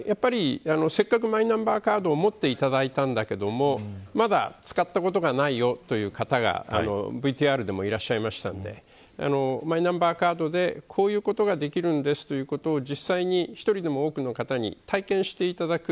せっかくマイナンバーカードを持っていただいたんだけどまだ使ったことがないよという方がＶＴＲでもいらっしゃいましたのでマイナンバーカードでこういうことができるんですということを実際に１人でも多くの方に体験していただく。